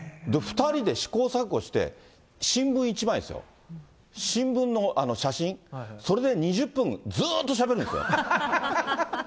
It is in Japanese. ２人で試行錯誤して、新聞１枚ですよ、新聞の写真、それで２０分ずっとしゃべるんですよ。